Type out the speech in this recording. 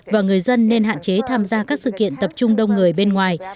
và người dân nên hạn chế tham gia các sự kiện tập trung đông người bên ngoài